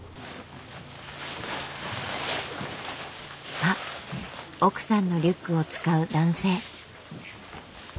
あっ奥さんのリュックを使う男性。